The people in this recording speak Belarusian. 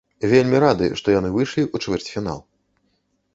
Вельмі рады, што яны выйшлі ў чвэрцьфінал.